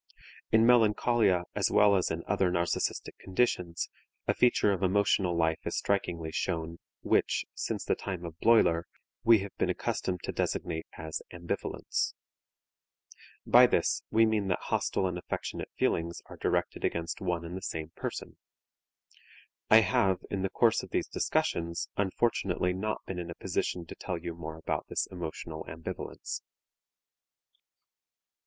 In melancholia as well as in other narcistic conditions a feature of emotional life is strikingly shown which, since the time of Bleuler, we have been accustomed to designate as ambivalence. By this we mean that hostile and affectionate feelings are directed against one and the same person. I have, in the course of these discussions, unfortunately not been in a position to tell you more about this emotional ambivalence.